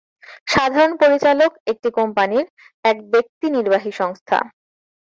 সাধারণ পরিচালক একটি কোম্পানির "এক ব্যক্তি নির্বাহী সংস্থা"।